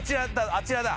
あちらだ